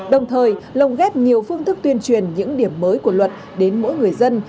đồng thời lồng ghép nhiều phương thức tuyên truyền những điểm mới của luật đến mỗi người dân